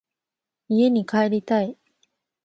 家に帰りたい。